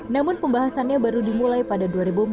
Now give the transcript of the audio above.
namun pembahasannya baru dimulai pada dua ribu empat belas